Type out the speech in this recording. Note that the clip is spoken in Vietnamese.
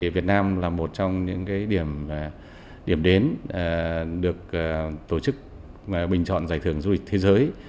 việt nam là một trong những điểm đến được tổ chức bình chọn giải thưởng du lịch thế giới